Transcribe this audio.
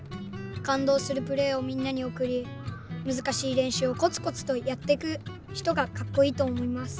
かんどうするプレーをみんなにおくりむずかしいれんしゅうをこつこつとやってくひとがカッコイイとおもいます。